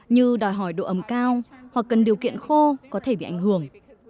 như đòi hỏi độ ấm cao hoặc cần điều kiện khô có thể bị ảnh hưởng